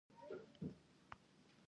ځوانانو ته پکار ده چې، بندرونه پیاوړي کړي.